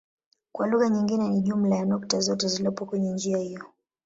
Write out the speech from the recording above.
Kwa lugha nyingine ni jumla ya nukta zote zilizopo kwenye njia hiyo.